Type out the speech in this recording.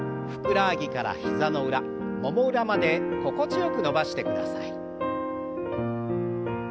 ふくらはぎから膝の裏もも裏まで心地よく伸ばしてください。